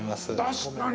確かに！